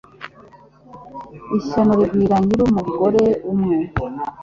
Ishyano rigwira nyirumugore umwe